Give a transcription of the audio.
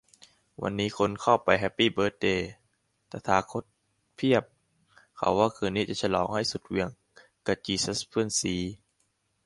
วันนี้คนเข้าไปแฮปปี้เบิร์ธเดย์ "ตถาคต" เพียบ เขาว่าคืนนี้จะฉลองให้สุดเหวี่ยงกะจีซัสเพื่อนซี้